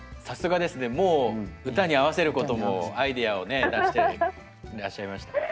さすがですねもう歌に合わせることもアイデアをね出していらっしゃいました。